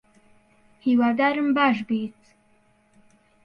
هیوادارم باش بیت